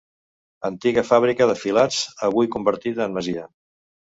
Antiga fàbrica de filats avui convertida en masia.